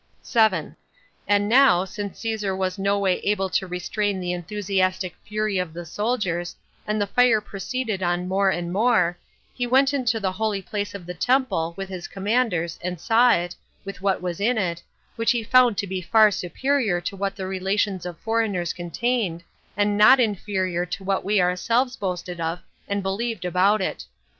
And now, since Caesar was no way able to restrain the enthusiastic fury of the soldiers, and the fire proceeded on more and more, he went into the holy place of the temple, with his commanders, and saw it, with what was in it, which he found to be far superior to what the relations of foreigners contained, and not inferior to what we ourselves boasted of and believed about it.